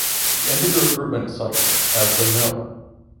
He ended the recruitment cycle as the no.